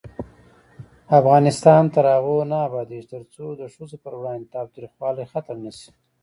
افغانستان تر هغو نه ابادیږي، ترڅو د ښځو پر وړاندې تاوتریخوالی ختم نشي.